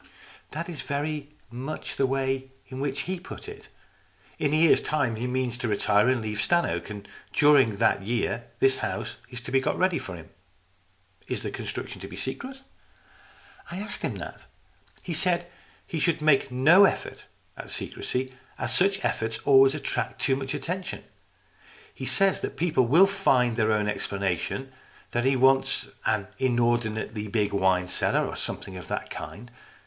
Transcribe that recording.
" That is very much the way in which he put it. In a year's time he means to retire and to leave Stannoke. And during that year this house is to be got ready for him." " Is the construction to be secret ?"" I asked him that. He said he should make no effort at secrecy, as such efforts always attracted too much attention. He says that people will find their own explanation that he wants an inordi nately big wine cellar, or something of that kind.